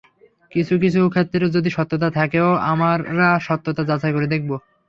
কিছু কিছু ক্ষেত্রে যদি সত্যতা থাকেও আমরা সত্যতা যাচাই করে দেখব।